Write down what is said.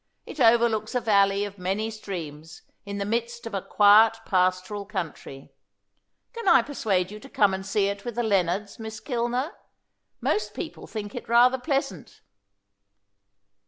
"It overlooks a valley of many streams, in the midst of a quiet pastoral country. Can I persuade you to come and see it with the Lennards, Miss Kilner? Most people think it rather pleasant."